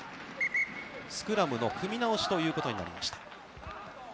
スクラムの組み直しということになりました。